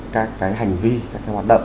các cái hành vi các cái hoạt động